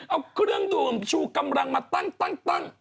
เอาเครื่องดื่มชูกำลังมาตั้ง